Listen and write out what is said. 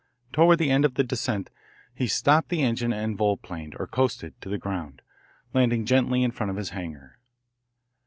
Toward the end of the descent he stopped the engine and volplaned, or coasted, to the ground, landing gently in front of his hangar.